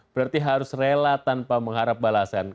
berarti harus rela tanpa mengharap balasan